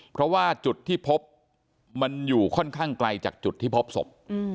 เพราะว่าจุดที่พบมันอยู่ค่อนข้างไกลจากจุดที่พบศพ